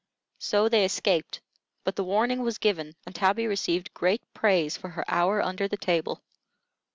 So they escaped; but the warning was given, and Tabby received great praise for her hour under the table.